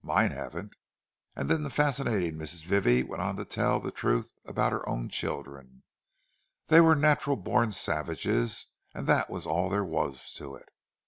Mine haven't." And then the fascinating Mrs. Vivie went on to tell the truth about her own children. They were natural born savages, and that was all there was to it.